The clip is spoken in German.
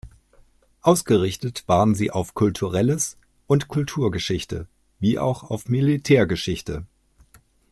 Ausgerichtet waren sie auf kulturelles und Kulturgeschichte wie auch Militärgeschichte.